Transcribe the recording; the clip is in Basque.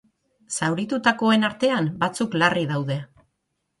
Zauritutakoen artean batzuk larri daude.